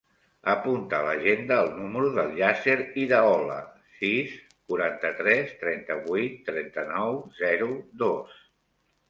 Apunta a l'agenda el número del Yasser Iraola: sis, quaranta-tres, trenta-vuit, trenta-nou, zero, dos.